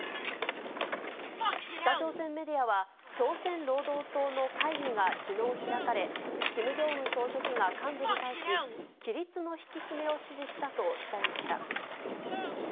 北朝鮮メディアは、朝鮮労働党の会議がきのう開かれ、キム・ジョンウン総書記が幹部に対し、規律の引き締めを指示したと伝えました。